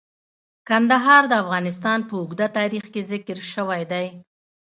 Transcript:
کندهار د افغانستان په اوږده تاریخ کې ذکر شوی دی.